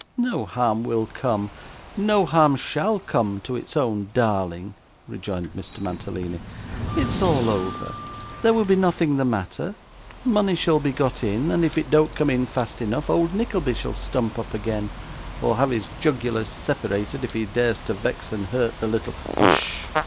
'No harm will come, no harm shall come, to its own darling,' rejoined Mr. Mantalini. 'It is all over; there will be nothing the matter; money shall be got in; and if it don't come in fast enough, old Nickleby shall stump up again, or have his jugular separated if he dares to vex and hurt the little ' 'Hush!